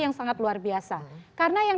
yang sangat luar biasa karena yang